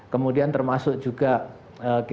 kemudian aa itu di sini